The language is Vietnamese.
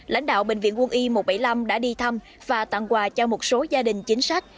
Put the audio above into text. lãnh đạo bệnh viện quân y một trăm bảy mươi năm đã đi thăm và tặng quà cho một số gia đình chính sách